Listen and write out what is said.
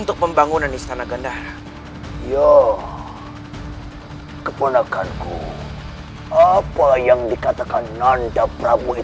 uang yang banyak banyak di engkau